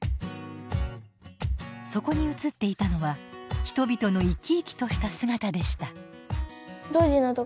そこに写っていたのは人々の生き生きとした姿でした。